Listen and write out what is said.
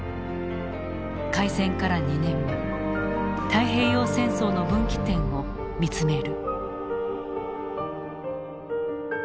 開戦から２年目太平洋戦争の分岐点を見つめる。